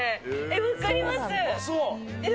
分かります。